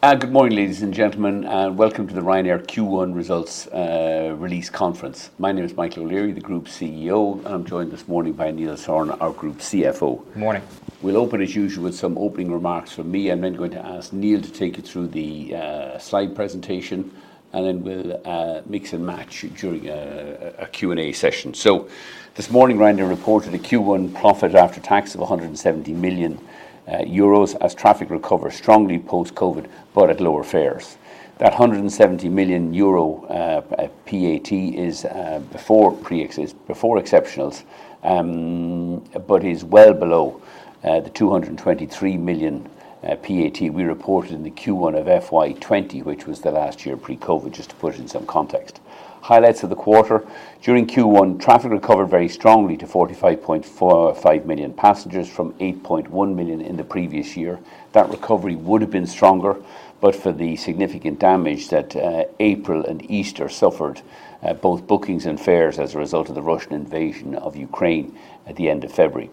Good morning, ladies and gentlemen, and welcome to the Ryanair Q1 results release conference. My name is Michael O'Leary, Group CEO, and I'm joined this morning by Neil Sorahan, our Group CFO. Good morning. We'll open as usual with some opening remarks from me, and then going to ask Neil to take you through the slide presentation, and then we'll mix and match during a Q&A session. This morning, Ryanair reported a Q1 profit after tax of 170 million euros as traffic recovers strongly post-COVID, but at lower fares. That 170 million euro PAT is before exceptionals, but is well below the 223 million PAT we reported in the Q1 of FY 2020, which was the last year pre-COVID, just to put it in some context. Highlights of the quarter. During Q1, traffic recovered very strongly to 45 million passengers from 8.1 million in the previous year. That recovery would have been stronger, but for the significant damage that April and Easter suffered both bookings and fares as a result of the Russian invasion of Ukraine at the end of February.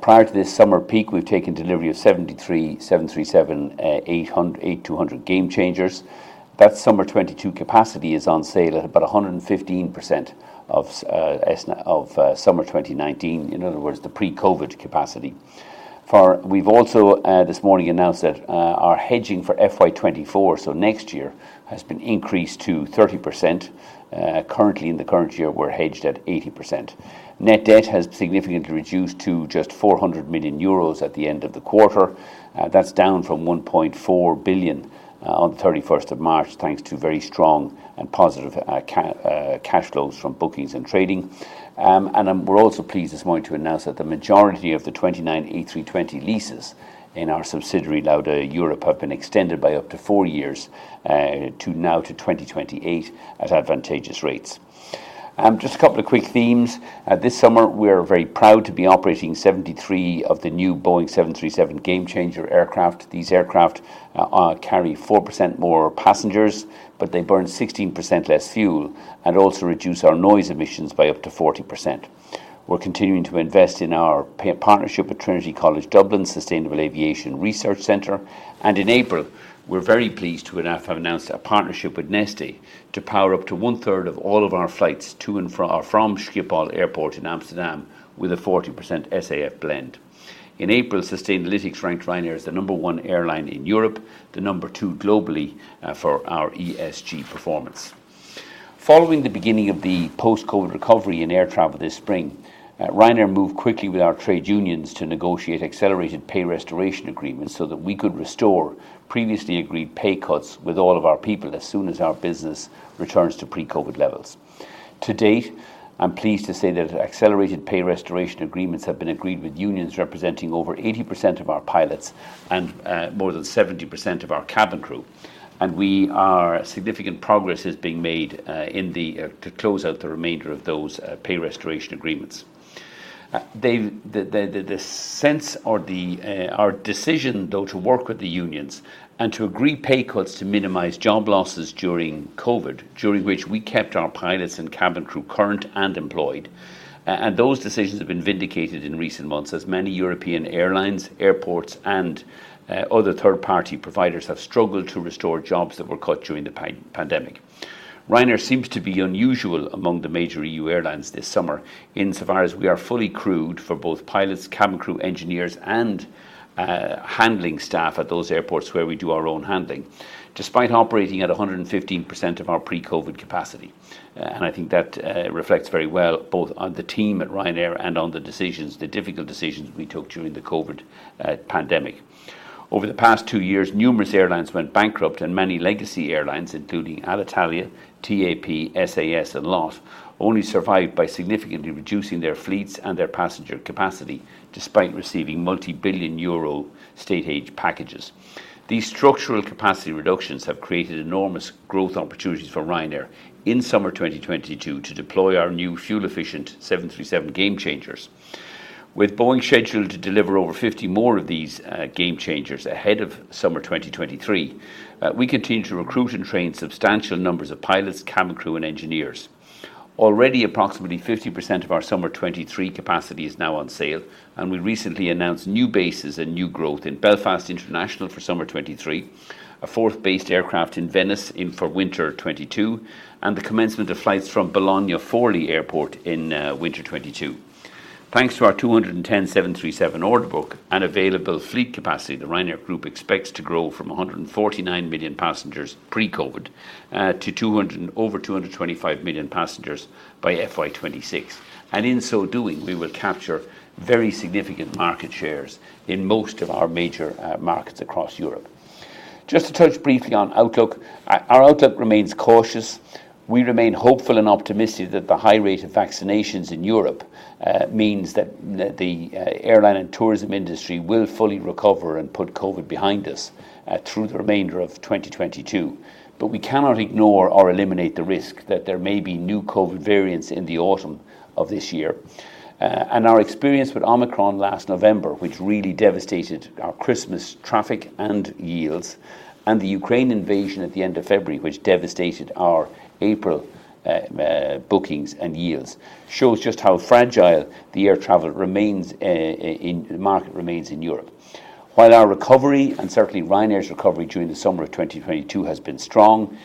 Prior to this summer peak, we've taken delivery of 73 737-8200 Gamechangers. That summer 2022 capacity is on sale at about 115% of summer 2019. In other words, the pre-COVID capacity. We've also this morning announced that our hedging for FY 2024, so next year, has been increased to 30%. Currently, in the current year, we're hedged at 80%. Net debt has significantly reduced to just 400 million euros at the end of the quarter. That's down from 1.4 billion on the 31st of March, thanks to very strong and positive cash flows from bookings and trading. We're also pleased this morning to announce that the majority of the 29 A320 leases in our subsidiary, Lauda Europe, have been extended by up to four years to 2028 at advantageous rates. Just a couple of quick themes. This summer, we're very proud to be operating 73 of the new Boeing 737 Gamechanger aircraft. These aircraft carry 4% more passengers, but they burn 16% less fuel and also reduce our noise emissions by up to 40%. We're continuing to invest in our partnership with Trinity College Dublin Sustainable Aviation Research Center. In April, we're very pleased to have announced a partnership with Neste to power up to 1/3 of all of our flights to and from Schiphol Airport in Amsterdam with a 40% SAF blend. In April, Sustainalytics ranked Ryanair as the number one airline in Europe, the number two globally, for our ESG performance. Following the beginning of the post-COVID recovery in air travel this spring, Ryanair moved quickly with our trade unions to negotiate accelerated pay restoration agreements so that we could restore previously agreed pay cuts with all of our people as soon as our business returns to pre-COVID levels. To date, I'm pleased to say that accelerated pay restoration agreements have been agreed with unions representing over 80% of our pilots and more than 70% of our cabin crew. Significant progress is being made to close out the remainder of those pay restoration agreements. The sense of our decision to work with the unions and to agree pay cuts to minimize job losses during COVID, during which we kept our pilots and cabin crew current and employed. Those decisions have been vindicated in recent months as many European airlines, airports and other third-party providers have struggled to restore jobs that were cut during the pandemic. Ryanair seems to be unusual among the major EU airlines this summer, insofar as we are fully crewed for both pilots, cabin crew, engineers and handling staff at those airports where we do our own handling, despite operating at 115% of our pre-COVID capacity. I think that reflects very well both on the team at Ryanair and on the decisions, the difficult decisions we took during the COVID pandemic. Over the past two years, numerous airlines went bankrupt and many legacy airlines, including Alitalia, TAP, SAS and LOT, only survived by significantly reducing their fleets and their passenger capacity despite receiving multi-billion Euro state aid packages. These structural capacity reductions have created enormous growth opportunities for Ryanair in summer 2022 to deploy our new fuel-efficient 737 Gamechangers. With Boeing scheduled to deliver over 50 more of these Gamechangers ahead of summer 2023, we continue to recruit and train substantial numbers of pilots, cabin crew and engineers. Already approximately 50% of our summer 2023 capacity is now on sale, and we recently announced new bases and new growth in Belfast International for summer 2023, a fourth based aircraft in Venice for winter 2022, and the commencement of flights from Bologna Forlì Airport in winter 2022. Thanks to our 210 737 order book and available fleet capacity, the Ryanair Group expects to grow from 149 million passengers pre-COVID to over 225 million passengers by FY 2026. In so doing, we will capture very significant market shares in most of our major markets across Europe. Just to touch briefly on outlook. Our outlook remains cautious. We remain hopeful and optimistic that the high rate of vaccinations in Europe means that the airline and tourism industry will fully recover and put COVID behind us through the remainder of 2022. We cannot ignore or eliminate the risk that there may be new COVID variants in the autumn of this year. Our experience with Omicron last November, which really devastated our Christmas traffic and yields, and the Ukraine invasion at the end of February, which devastated our April bookings and yields, shows just how fragile the air travel market remains in Europe. While our recovery, and certainly Ryanair's recovery during the summer of 2022 has been strong,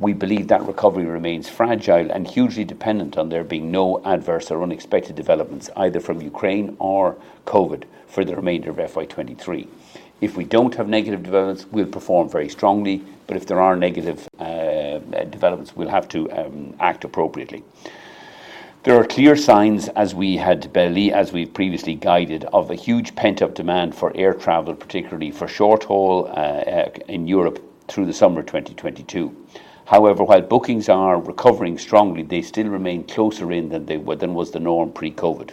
we believe that recovery remains fragile and hugely dependent on there being no adverse or unexpected developments either from Ukraine or COVID for the remainder of FY 2023. If we don't have negative developments, we'll perform very strongly, but if there are negative developments, we'll have to act appropriately. There are clear signs as we've previously guided of a huge pent-up demand for air travel, particularly for short-haul in Europe through the summer of 2022. However, while bookings are recovering strongly, they still remain closer in than was the norm pre-COVID.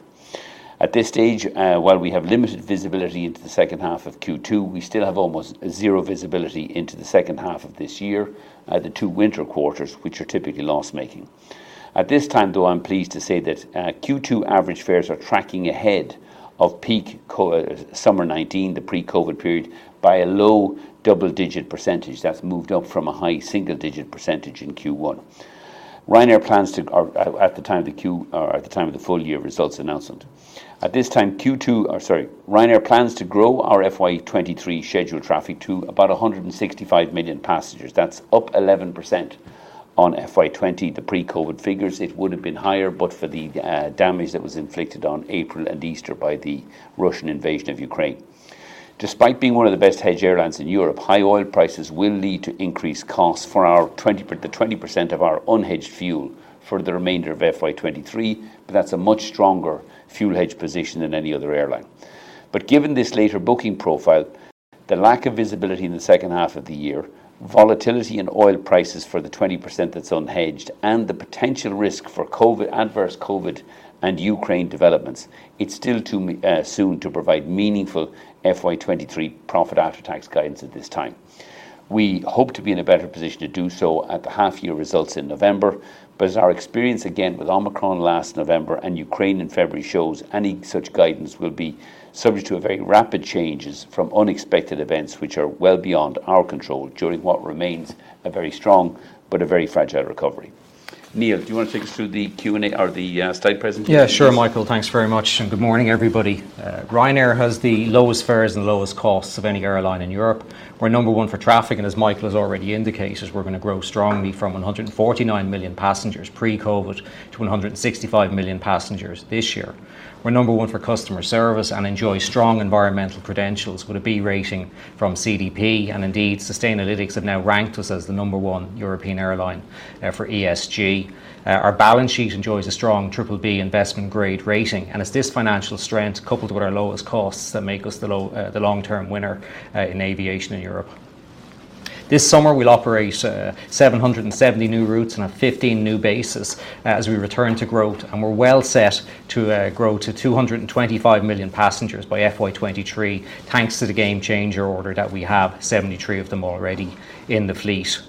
At this stage, while we have limited visibility into the second half of Q2, we still have almost zero visibility into the second half of this year, the two winter quarters which are typically loss-making. At this time, though, I'm pleased to say that Q2 average fares are tracking ahead of peak summer 2019, the pre-COVID period, by a low double-digit percentage that's moved up from a high single-digit percentage in Q1. Ryanair plans to grow our FY 2023 scheduled traffic to about 165 million passengers. That's up 11% on FY 2020, the pre-COVID figures. It would've been higher, but for the damage that was inflicted on April and Easter by the Russian invasion of Ukraine. Despite being one of the best hedged airlines in Europe, high oil prices will lead to increased costs for our 20% of our unhedged fuel for the remainder of FY 2023, but that's a much stronger fuel hedge position than any other airline. Given this later booking profile, the lack of visibility in the second half of the year, volatility in oil prices for the 20% that's unhedged, and the potential risk for COVID, adverse COVID and Ukraine developments, it's still too soon to provide meaningful FY 2023 profit after tax guidance at this time. We hope to be in a better position to do so at the half-year results in November, but as our experience again with Omicron last November and Ukraine in February shows, any such guidance will be subject to a very rapid changes from unexpected events which are well beyond our control during what remains a very strong but a very fragile recovery. Neil, do you wanna take us through the Q&A or the slide presentation please? Yeah. Sure, Michael. Thanks very much, and good morning, everybody. Ryanair has the lowest fares and lowest costs of any airline in Europe. We're number one for traffic, and as Michael has already indicated, we're gonna grow strongly from 149 million passengers pre-COVID to 165 million passengers this year. We're number one for customer service and enjoy strong environmental credentials with a B rating from CDP, and indeed, Sustainalytics have now ranked us as the number one European airline for ESG. Our balance sheet enjoys a strong BBB investment grade rating, and it's this financial strength coupled with our lowest costs that make us the long-term winner in aviation in Europe. This summer, we'll operate 770 new routes from 15 new bases as we return to growth, and we're well set to grow to 225 million passengers by FY 2023, thanks to the Gamechanger order that we have 73 of them already in the fleet.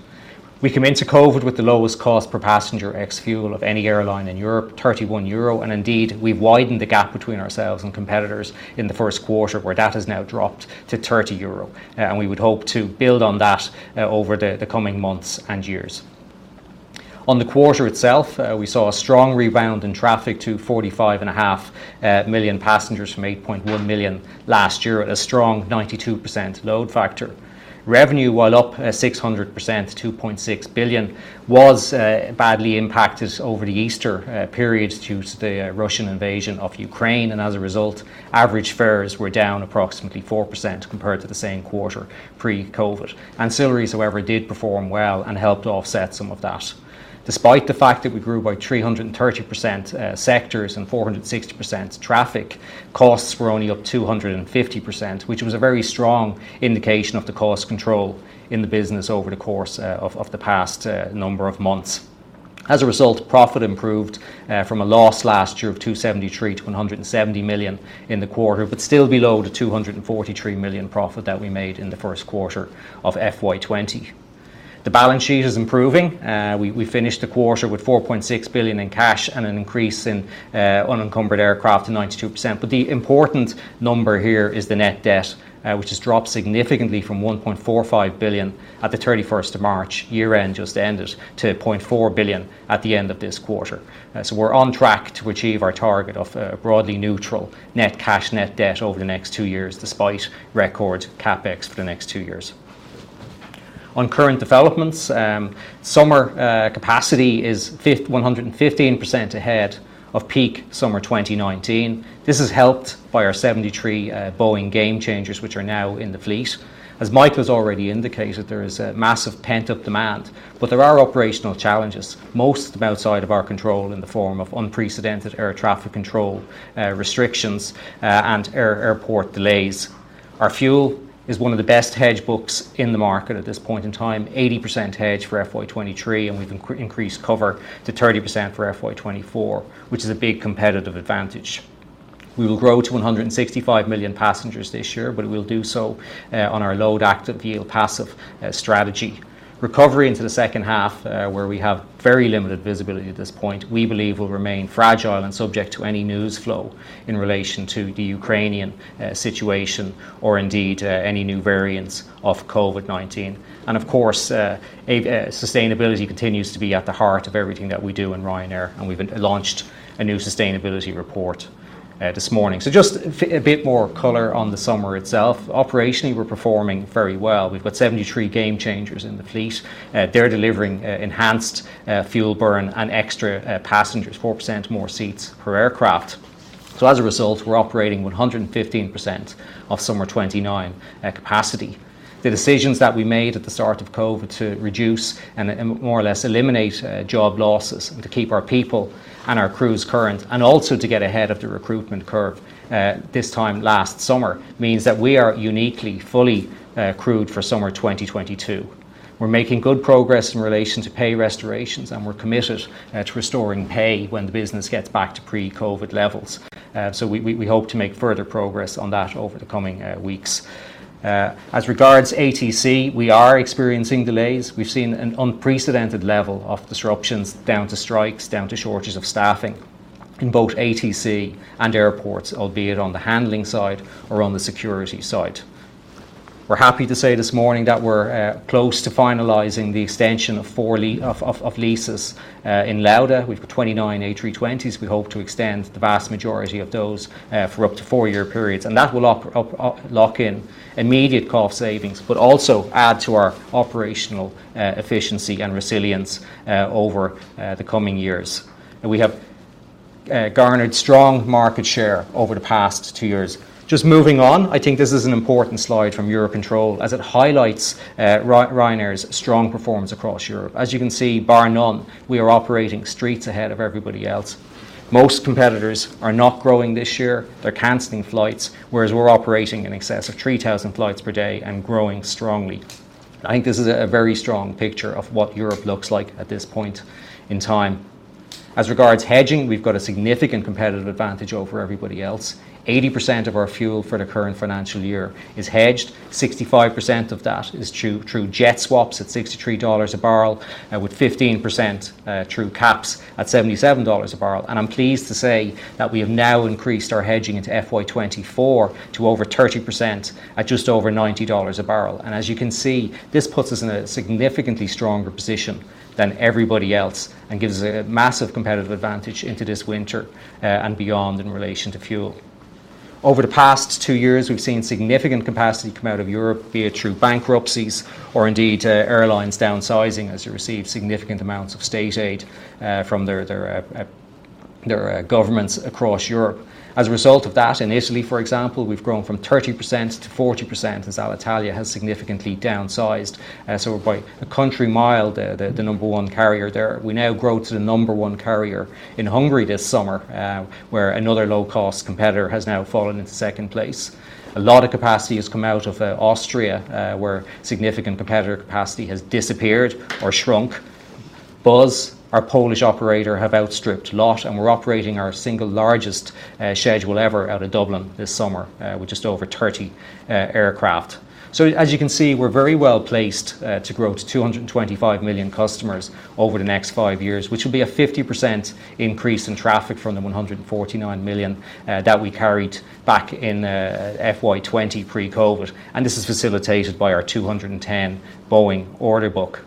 We came into COVID with the lowest cost per passenger ex-fuel of any airline in Europe, 31 euro, and indeed, we've widened the gap between ourselves and competitors in the first quarter where that has now dropped to 30 euro. We would hope to build on that over the coming months and years. On the quarter itself, we saw a strong rebound in traffic to 45.5 million passengers from 8.1 million last year at a strong 92% load factor. Revenue, while up 600% to 2.6 billion, was badly impacted over the Easter period due to the Russian invasion of Ukraine, and as a result, average fares were down approximately 4% compared to the same quarter pre-COVID. Ancillaries, however, did perform well and helped offset some of that. Despite the fact that we grew by 330% sectors and 460% traffic, costs were only up 250%, which was a very strong indication of the cost control in the business over the course of the past number of months. As a result, profit improved from a loss last year of 273 million-170 million in the quarter, but still below the 243 million profit that we made in the first quarter of FY 2020. The balance sheet is improving. We finished the quarter with 4.6 billion in cash and an increase in unencumbered aircraft to 92%. The important number here is the net debt, which has dropped significantly from 1.45 billion at the 31st of March, year-end just ended, to 0.4 billion at the end of this quarter. We're on track to achieve our target of broadly neutral net cash, net debt over the next two years, despite record CapEx for the next two years. On current developments, summer capacity is 115% ahead of peak summer 2019. This is helped by our 73 Boeing Gamechangers which are now in the fleet. As Michael has already indicated, there is a massive pent-up demand, but there are operational challenges, most of them outside of our control in the form of unprecedented air traffic control restrictions and airport delays. Our fuel is one of the best hedge books in the market at this point in time. 80% hedged for FY 2023, and we've increased cover to 30% for FY 2024, which is a big competitive advantage. We will grow to 165 million passengers this year, but we'll do so on our load active, yield passive strategy. Recovery into the second half, where we have very limited visibility at this point, we believe will remain fragile and subject to any news flow in relation to the Ukrainian situation or indeed any new variants of COVID-19. Of course, sustainability continues to be at the heart of everything that we do in Ryanair, and we've launched a new sustainability report this morning. Just a bit more color on the summer itself. Operationally, we're performing very well. We've got 73 Gamechangers in the fleet. They're delivering enhanced fuel burn and extra passengers, 4% more seats per aircraft. As a result, we're operating 115% of summer 2019 capacity. The decisions that we made at the start of COVID to reduce and more or less eliminate job losses and to keep our people and our crews current, and also to get ahead of the recruitment curve this time last summer means that we are uniquely fully crewed for summer 2022. We're making good progress in relation to pay restorations, and we're committed to restoring pay when the business gets back to pre-COVID levels. We hope to make further progress on that over the coming weeks. As regards ATC, we are experiencing delays. We've seen an unprecedented level of disruptions due to strikes, due to shortages of staffing in both ATC and airports, albeit on the handling side or on the security side. We're happy to say this morning that we're close to finalizing the extension of four leases. In Lauda, we've got 29 A320s we hope to extend the vast majority of those for up to four-year periods, and that will lock in immediate cost savings but also add to our operational efficiency and resilience over the coming years. We have garnered strong market share over the past two years. Just moving on, I think this is an important slide from Eurocontrol as it highlights Ryanair's strong performance across Europe. As you can see, bar none, we are operating streets ahead of everybody else. Most competitors are not growing this year. They're canceling flights, whereas we're operating in excess of 3,000 flights per day and growing strongly. I think this is a very strong picture of what Europe looks like at this point in time. As regards hedging, we've got a significant competitive advantage over everybody else. 80% of our fuel for the current financial year is hedged. 65% of that is through jet swaps at $63 a barrel, with 15% through caps at $77 a barrel. I'm pleased to say that we have now increased our hedging into FY 2024 to over 30% at just over $90 a barrel. As you can see, this puts us in a significantly stronger position than everybody else and gives a massive competitive advantage into this winter, and beyond in relation to fuel. Over the past two years, we've seen significant capacity come out of Europe, be it through bankruptcies or indeed, airlines downsizing as they receive significant amounts of state aid from their governments across Europe. As a result of that, in Italy, for example, we've grown from 30% to 40% as Alitalia has significantly downsized. By a country mile the number one carrier there. We now grow to the number one carrier in Hungary this summer, where another low-cost competitor has now fallen into second place. A lot of capacity has come out of Austria, where significant competitor capacity has disappeared or shrunk. Buzz, our Polish operator, have outstripped LOT, and we're operating our single largest schedule ever out of Dublin this summer, with just over 30 aircraft. As you can see, we're very well-placed to grow to 225 million customers over the next five years, which will be a 50% increase in traffic from the 149 million that we carried back in FY 2020 pre-COVID, and this is facilitated by our 210 Boeing order book.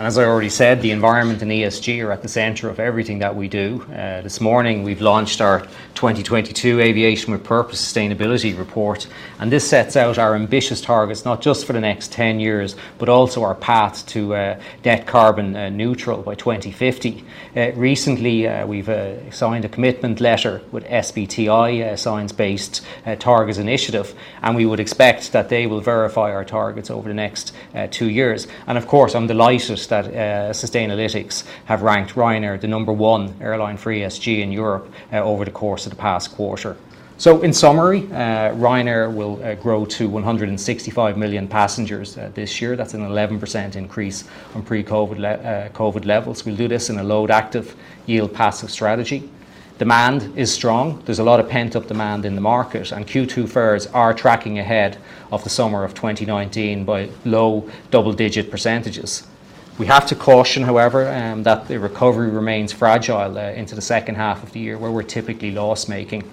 As I already said, the environment and ESG are at the center of everything that we do. This morning we've launched our 2022 Aviation with Purpose Sustainability Report, and this sets out our ambitious targets, not just for the next 10 years but also our path to net carbon neutral by 2050. Recently, we've signed a commitment letter with SBTi, Science-Based Targets initiative, and we would expect that they will verify our targets over the next two years. Of course, I'm delighted that Sustainalytics have ranked Ryanair the number one airline for ESG in Europe over the course of the past quarter. Ryanair will grow to 165 million passengers this year. That's an 11% increase from pre-COVID levels. We'll do this in a load active, yield passive strategy. Demand is strong. There's a lot of pent-up demand in the market, and Q2 fares are tracking ahead of the summer of 2019 by low double-digit percentages. We have to caution, however, that the recovery remains fragile into the second half of the year where we're typically loss-making.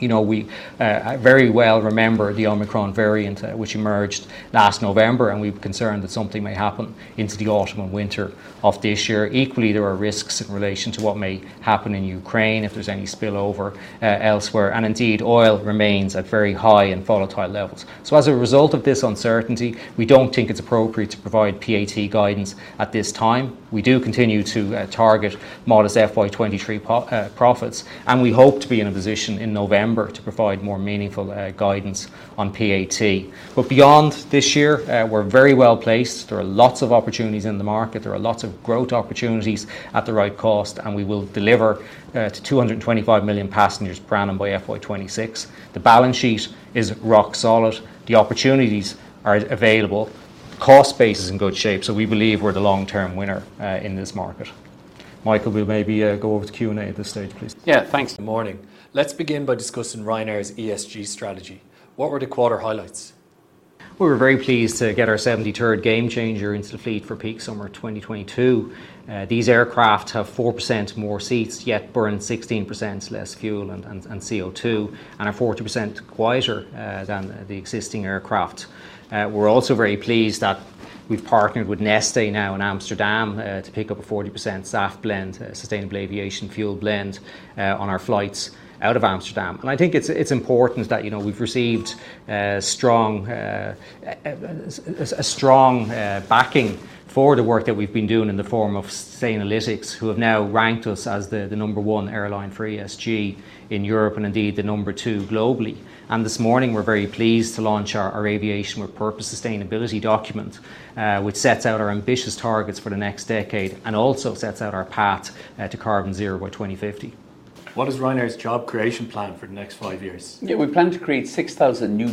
You know, we very well remember the Omicron variant, which emerged last November, and we're concerned that something may happen into the autumn and winter of this year. Equally, there are risks in relation to what may happen in Ukraine, if there's any spillover, elsewhere. Indeed, oil remains at very high and volatile levels. As a result of this uncertainty, we don't think it's appropriate to provide PAT guidance at this time. We do continue to target modest FY 2023 profits, and we hope to be in a position in November to provide more meaningful guidance on PAT. Beyond this year, we're very well-placed. There are lots of opportunities in the market. There are lots of growth opportunities at the right cost, and we will deliver to 225 million passengers per annum by FY 2026. The balance sheet is rock solid. The opportunities are available. Cost base is in good shape. We believe we're the long-term winner in this market. Michael, we'll maybe go over to Q&A at this stage, please. Yeah. Thanks. Morning. Let's begin by discussing Ryanair's ESG strategy. What were the quarter highlights? We were very pleased to get our 73rd Gamechanger into the fleet for peak summer 2022. These aircraft have 4% more seats yet burn 16% less fuel and CO2 and are 40% quieter than the existing aircraft. We're also very pleased. We've partnered with Neste now in Amsterdam to pick up a 40% SAF blend, a sustainable aviation fuel blend, on our flights out of Amsterdam. I think it's important that, you know, we've received a strong backing for the work that we've been doing in the form of Sustainalytics, who have now ranked us as the number one airline for ESG in Europe, and indeed the number two globally. This morning we're very pleased to launch our Aviation with Purpose sustainability document, which sets out our ambitious targets for the next decade, and also sets out our path to carbon zero by 2050. What is Ryanair's job creation plan for the next five years? Yeah, we plan to create 6,000 new,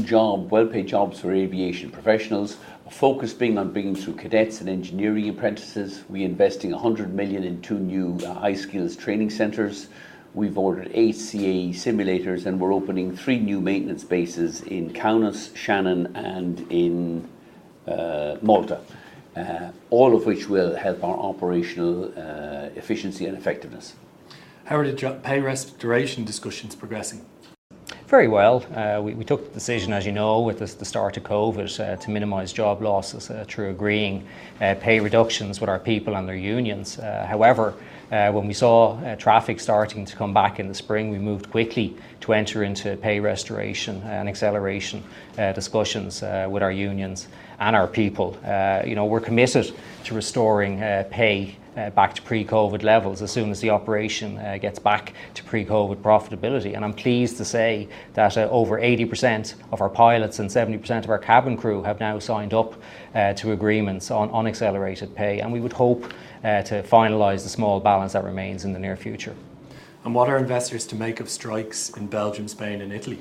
well-paid jobs for aviation professionals, our focus being on bringing through cadets and engineering apprentices. We're investing 100 million in two new high-skills training centers. We've ordered eight CAE simulators, and we're opening three new maintenance bases in Kaunas, Shannon, and Malta, all of which will help our operational efficiency and effectiveness. How are the pay rise duration discussions progressing? Very well. We took the decision, as you know, with the start of COVID, to minimize job losses, through agreeing pay reductions with our people and their unions. However, when we saw traffic starting to come back in the spring, we moved quickly to enter into pay restoration and acceleration discussions with our unions and our people. You know, we're committed to restoring pay back to pre-COVID levels as soon as the operation gets back to pre-COVID profitability. I'm pleased to say that over 80% of our pilots and 70% of our cabin crew have now signed up to agreements on accelerated pay, and we would hope to finalize the small balance that remains in the near future. What are investors to make of strikes in Belgium, Spain, and Italy?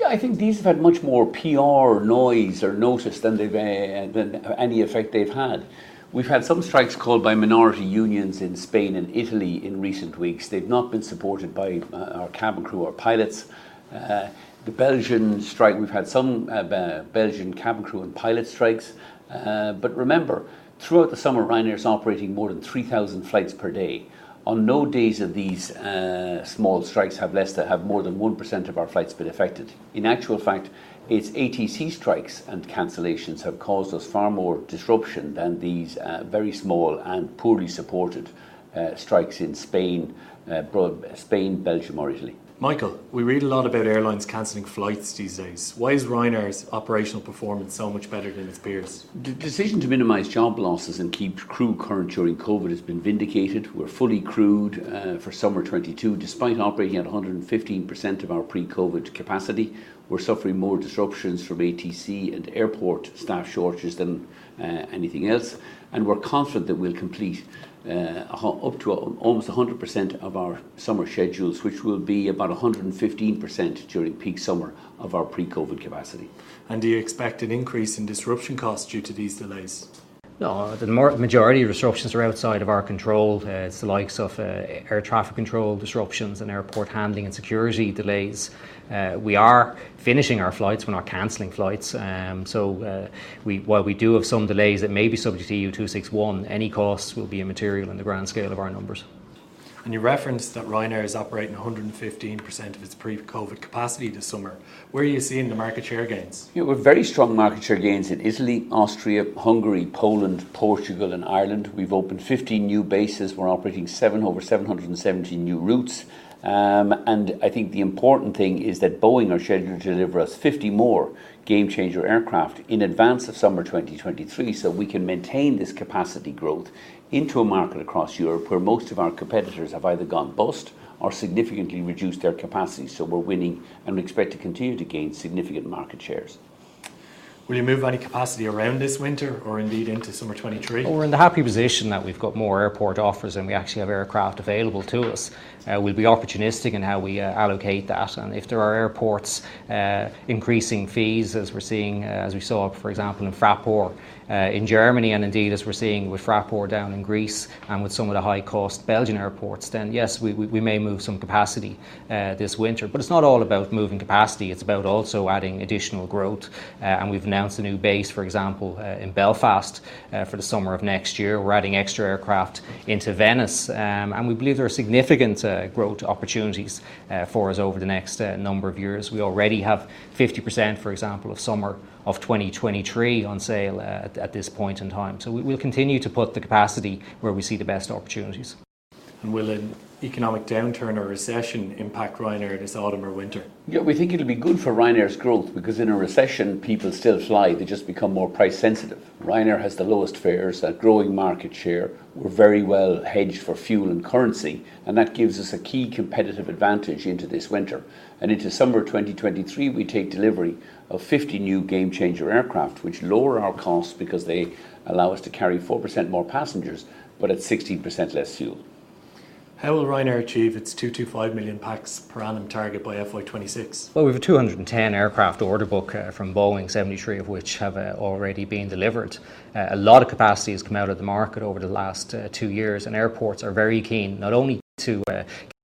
Yeah, I think these have had much more PR or noise or notice than any effect they've had. We've had some strikes called by minority unions in Spain and Italy in recent weeks. They've not been supported by our cabin crew or pilots. The Belgian strike. We've had some Belgian cabin crew and pilot strikes. Remember, throughout the summer Ryanair's operating more than 3,000 flights per day. On no days of these small strikes have more than 1% of our flights been affected. In actual fact, it's ATC strikes and cancellations have caused us far more disruption than these very small and poorly supported strikes in Spain, Belgium, or Italy. Michael, we read a lot about airlines canceling flights these days. Why is Ryanair's operational performance so much better than its peers? The decision to minimize job losses and keep crew current during COVID has been vindicated. We're fully crewed for summer 2022, despite operating at 115% of our pre-COVID capacity. We're suffering more disruptions from ATC and airport staff shortages than anything else, and we're confident that we'll complete up to almost 100% of our summer schedules, which will be about 115% during peak summer of our pre-COVID capacity. Do you expect an increase in disruption costs due to these delays? No. The majority of disruptions are outside of our control. It's the likes of, air traffic control disruptions and airport handling and security delays. We are finishing our flights. We're not canceling flights. We, while we do have some delays that may be subject to EU261, any costs will be immaterial in the grand scale of our numbers. You referenced that Ryanair is operating 115% of its pre-COVID capacity this summer. Where are you seeing the market share gains? Yeah, we've very strong market share gains in Italy, Austria, Hungary, Poland, Portugal, and Ireland. We've opened 15 new bases. We're operating over 770 new routes. I think the important thing is that Boeing are scheduled to deliver us 50 more Gamechanger aircraft in advance of summer 2023 so we can maintain this capacity growth into a market across Europe where most of our competitors have either gone bust or significantly reduced their capacity. We're winning, and we expect to continue to gain significant market shares. Will you move any capacity around this winter or indeed into summer 2023? We're in the happy position that we've got more airport offers than we actually have aircraft available to us. We'll be opportunistic in how we allocate that, and if there are airports increasing fees as we're seeing, as we saw, for example, in Fraport in Germany and indeed as we're seeing with Fraport down in Greece and with some of the high-cost Belgian airports, then yes, we may move some capacity this winter. But it's not all about moving capacity. It's about also adding additional growth. We've announced a new base, for example, in Belfast for the summer of next year. We're adding extra aircraft into Venice. We believe there are significant growth opportunities for us over the next number of years. We already have 50%, for example, of summer of 2023 on sale at this point in time. We'll continue to put the capacity where we see the best opportunities. Will an economic downturn or recession impact Ryanair this autumn or winter? Yeah, we think it'll be good for Ryanair's growth because in a recession people still fly, they just become more price sensitive. Ryanair has the lowest fares, a growing market share. We're very well hedged for fuel and currency, and that gives us a key competitive advantage into this winter. Into summer 2023, we take delivery of 50 new Gamechanger aircraft, which lower our costs because they allow us to carry 4% more passengers but at 16% less fuel. How will Ryanair achieve its 225 million pax per annum target by FY 2026? Well, we've a 210 aircraft order book from Boeing, 73 of which have already been delivered. A lot of capacity has come out of the market over the last two years, and airports are very keen not only to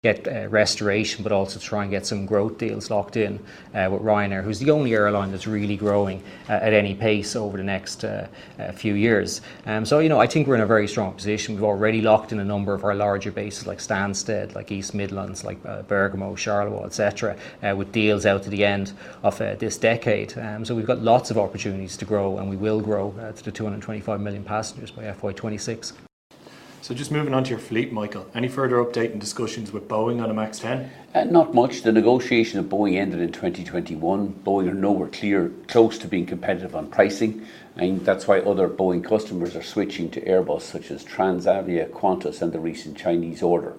get restoration, but also try and get some growth deals locked in with Ryanair, who's the only airline that's really growing at any pace over the next few years. You know, I think we're in a very strong position. We've already locked in a number of our larger bases like Stansted, like East Midlands, like Bergamo, Charleroi, et cetera, with deals out to the end of this decade. We've got lots of opportunities to grow, and we will grow to 225 million passengers by FY 2026. just moving on to your fleet, Michael, any further update in discussions with Boeing on a MAX 10? Not much. The negotiations with Boeing ended in 2021. Boeing are nowhere close to being competitive on pricing, and that's why other Boeing customers are switching to Airbus, such as Transavia, Qantas, and the recent Chinese order.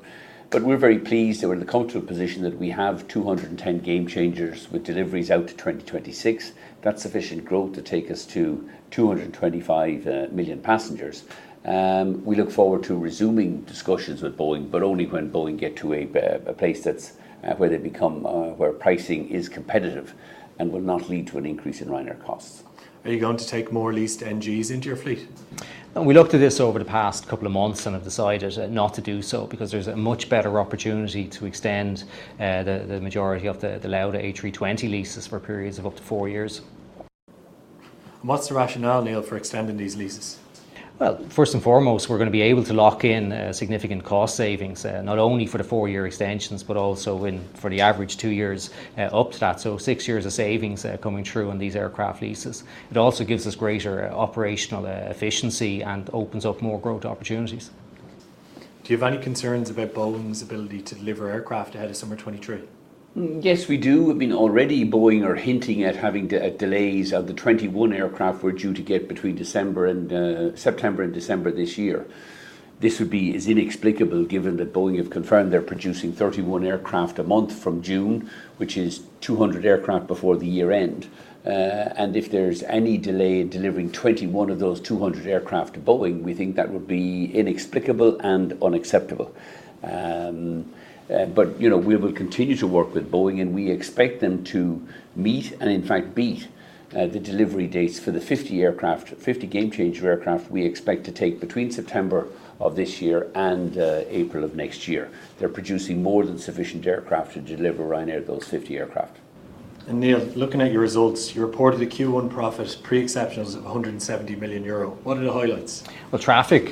We're very pleased that we're in the comfortable position that we have 210 Gamechangers with deliveries out to 2026. That's sufficient growth to take us to 225 million passengers. We look forward to resuming discussions with Boeing, but only when Boeing get to a place that's where pricing is competitive and will not lead to an increase in Ryanair costs. Are you going to take more leased NGs into your fleet? No, we looked at this over the past couple of months and have decided not to do so because there's a much better opportunity to extend the majority of the Lauda A320 leases for periods of up to four years. What's the rationale, Neil, for extending these leases? Well, first and foremost, we're gonna be able to lock in significant cost savings, not only for the four-year extensions but also when, for the average two years, up to that. Six years of savings coming through on these aircraft leases. It also gives us greater operational efficiency and opens up more growth opportunities. Do you have any concerns about Boeing's ability to deliver aircraft ahead of summer 2023? Yes, we do. I mean, already Boeing are hinting at having delays of the 21 aircraft we're due to get between September and December this year. This would be as inexplicable given that Boeing have confirmed they're producing 31 aircraft a month from June, which is 200 aircraft before the year end. If there's any delay in delivering 21 of those 200 aircraft to Boeing, we think that would be inexplicable and unacceptable. But, you know, we will continue to work with Boeing, and we expect them to meet and in fact beat the delivery dates for the 50 aircraft, 50 Gamechanger aircraft we expect to take between September of this year and April of next year. They're producing more than sufficient aircraft to deliver Ryanair those 50 aircraft. Neil, looking at your results, you reported a Q1 profit pre-exceptionals of 170 million euro. What are the highlights? Well, traffic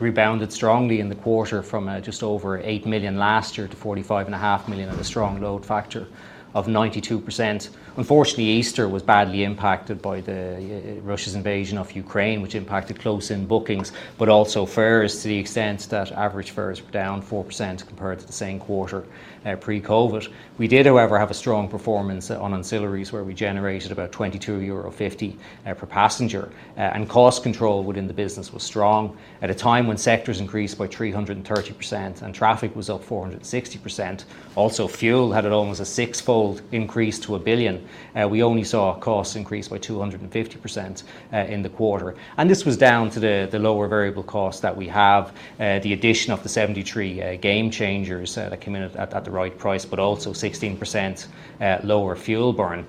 rebounded strongly in the quarter from just over 8 million last year to 45.5 million at a strong load factor of 92%. Unfortunately, Easter was badly impacted by Russia's invasion of Ukraine, which impacted close-in bookings but also fares to the extent that average fares were down 4% compared to the same quarter pre-COVID. We did, however, have a strong performance on ancillaries where we generated about 22.50 euro per passenger. Cost control within the business was strong. At a time when sectors increased by 330% and traffic was up 460%, also fuel had almost a sixfold increase to 1 billion, we only saw costs increase by 250% in the quarter. This was down to the lower variable cost that we have, the addition of the 737 Gamechangers that came in at the right price, but also 16% lower fuel burn.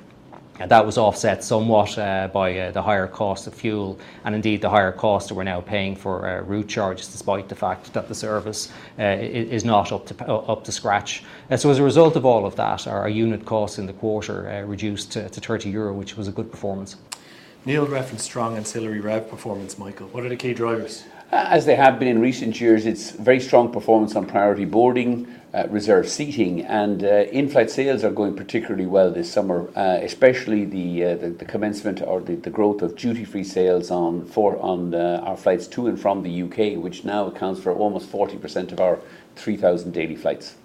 That was offset somewhat by the higher cost of fuel and indeed the higher cost that we're now paying for route charges despite the fact that the service is not up to scratch. As a result of all of that, our unit costs in the quarter reduced to 30 euro, which was a good performance. Neil referenced strong ancillary route performance. Michael, what are the key drivers? As they have been in recent years, it's very strong performance on priority boarding, reserve seating, and in-flight sales are going particularly well this summer, especially the growth of duty-free sales on our flights to and from the U.K., which now accounts for almost 40% of our 3,000 daily flights.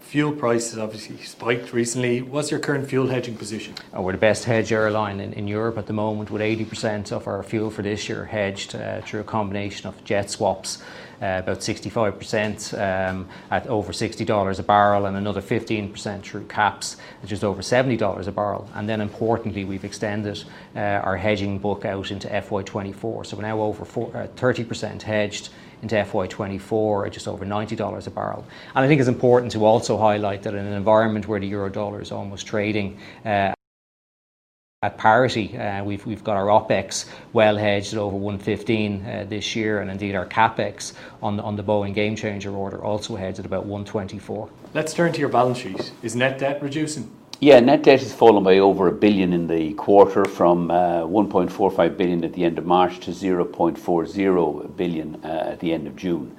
Fuel prices obviously spiked recently. What's your current fuel hedging position? We're the best hedged airline in Europe at the moment with 80% of our fuel for this year hedged through a combination of jet swaps about 65% at over $60 a barrel, and another 15% through caps at just over $70 a barrel. Importantly, we've extended our hedging book out into FY 2024. We're now over 40% hedged into FY 2024 at just over $90 a barrel. I think it's important to also highlight that in an environment where the euro dollar is almost trading at parity, we've got our OpEx well hedged at over 115 this year, and indeed our CapEx on the Boeing gamechanger order also hedged at about 124%. Let's turn to your balance sheet. Is net debt reducing? Yeah. Net debt has fallen by over 1 billion in the quarter from 1.45 billion at the end of March to 0.40 billion at the end of June.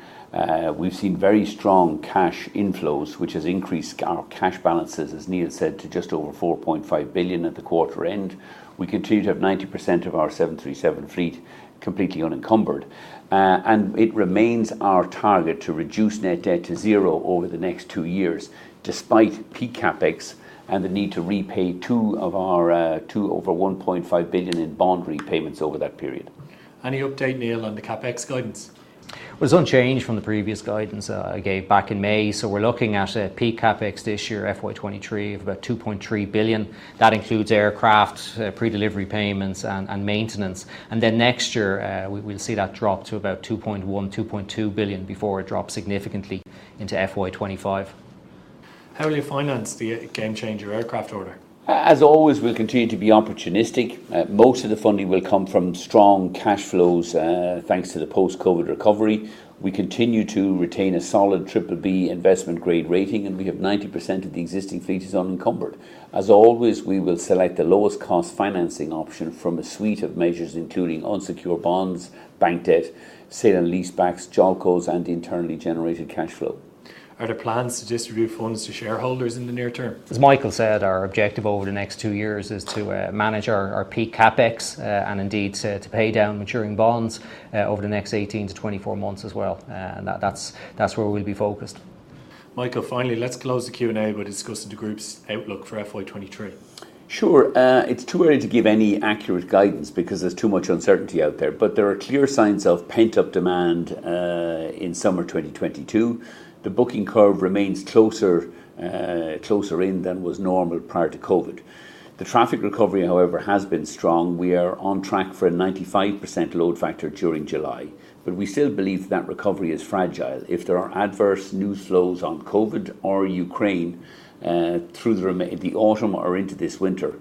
We've seen very strong cash inflows, which has increased our cash balances, as Neil said, to just over 4.5 billion at the quarter end. We continue to have 90% of our 737 fleet completely unencumbered. It remains our target to reduce net debt to zero over the next two years despite peak CapEx and the need to repay two over 1.5 billion in bond repayments over that period. Any update, Neil, on the CapEx guidance? Well, it's unchanged from the previous guidance I gave back in May. We're looking at a peak CapEx this year, FY 2023, of about 2.3 billion. That includes aircraft, pre-delivery payments and maintenance. Next year, we'll see that drop to about 2.1 billion-2.2 billion before it drops significantly into FY 2025. How will you finance the Gamechanger aircraft order? As always, we'll continue to be opportunistic. Most of the funding will come from strong cash flows, thanks to the post-COVID recovery. We continue to retain a solid BBB investment grade rating, and we have 90% of the existing fleet is unencumbered. As always, we will select the lowest cost financing option from a suite of measures including unsecured bonds, bank debt, sale and leasebacks, JOLCOs, and internally generated cash flow. Are there plans to distribute funds to shareholders in the near term? As Michael said, our objective over the next two years is to manage our peak CapEx, and indeed to pay down maturing bonds over the next 18-24 months as well. That's where we'll be focused. Michael, finally, let's close the Q&A by discussing the group's outlook for FY 2023. It's too early to give any accurate guidance because there's too much uncertainty out there. There are clear signs of pent-up demand in summer 2022. The booking curve remains closer in than was normal prior to COVID. The traffic recovery, however, has been strong. We are on track for a 95% load factor during July. We still believe that recovery is fragile. If there are adverse news flows on COVID or Ukraine through the autumn or into this winter,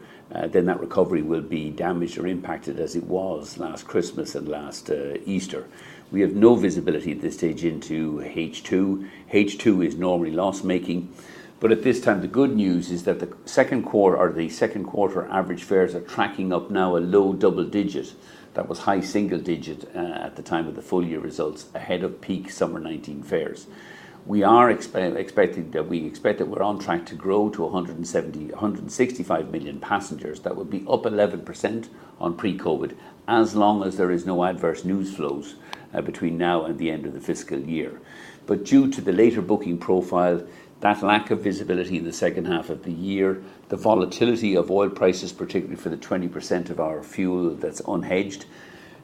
then that recovery will be damaged or impacted as it was last Christmas and last Easter. We have no visibility at this stage into H2. H2 is normally loss-making, but at this time the good news is that the second quarter average fares are tracking up now a low double digit. That was high single-digit at the time of the full year results ahead of peak summer 2019 fares. We expect that we're on track to grow to 165 million passengers. That would be up 11% on pre-COVID as long as there is no adverse news flows between now and the end of the fiscal year. Due to the later booking profile, that lack of visibility in the second half of the year, the volatility of oil prices, particularly for the 20% of our fuel that's unhedged,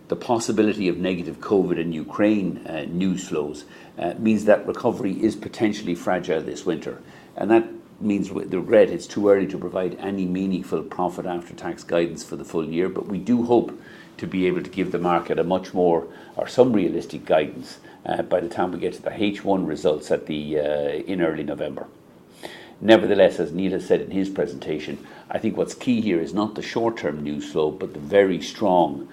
the possibility of negative COVID and Ukraine news flows means that recovery is potentially fragile this winter. That means it's too early to provide any meaningful profit after tax guidance for the full year. We do hope to be able to give the market a much more or some realistic guidance by the time we get to the H1 results in early November. Nevertheless, as Neil has said in his presentation, I think what's key here is not the short-term news flow, but the very strong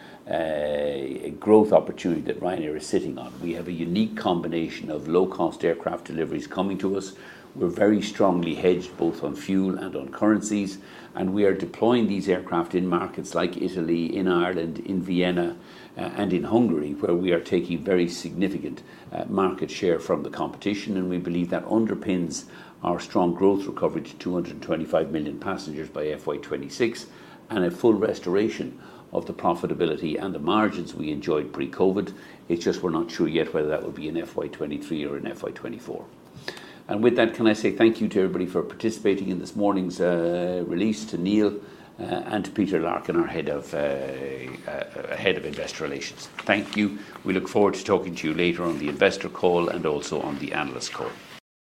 growth opportunity that Ryanair is sitting on. We have a unique combination of low-cost aircraft deliveries coming to us. We're very strongly hedged both on fuel and on currencies, and we are deploying these aircraft in markets like Italy, in Ireland, in Vienna, and in Hungary, where we are taking very significant market share from the competition. We believe that underpins our strong growth recovery to 225 million passengers by FY 2026 and a full restoration of the profitability and the margins we enjoyed pre-COVID. It's just we're not sure yet whether that would be in FY 2023 or in FY 2024. With that, can I say thank you to everybody for participating in this morning's release, to Neil and to Peter Larkin, our Head of Investor Relations. Thank you. We look forward to talking to you later on the investor call and also on the analyst call.